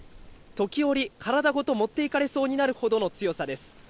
時折、体ごと持っていかれそうになるほどの強さです。